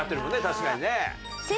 確かにね。